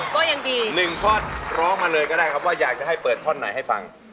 ก็ยังมี๑ท่อนลองมาเลยว่าอยากให้เปิดท่อนไหน